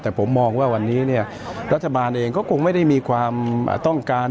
แต่ผมมองว่าวันนี้เนี่ยรัฐบาลเองก็คงไม่ได้มีความต้องการ